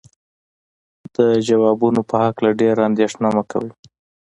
د ځوابونو په هکله ډېره اندېښنه مه کوئ.